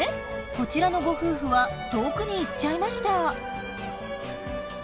こちらのご夫婦は遠くに行っちゃいました。